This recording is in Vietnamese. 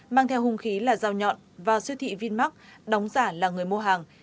mang theo hùng khí là dao nhọn vào siêu thị greenmark đóng giả là người mua hàng